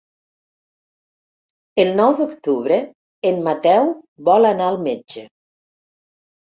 El nou d'octubre en Mateu vol anar al metge.